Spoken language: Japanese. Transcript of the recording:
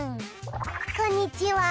こんにちは